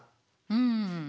うん。